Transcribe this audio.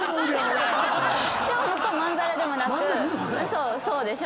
でも向こうまんざらでもなく「そうでしょ。